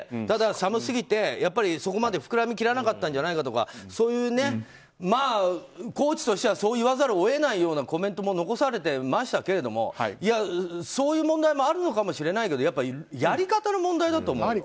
ただ、寒すぎてやっぱりそこまで膨らみきらなかったんじゃないかとかそういう、まあコーチとしてはそう言わざるを得ないようなコメントも残されてましたけれどもそういう問題もあるのかもしれないけどやり方の問題だと思う。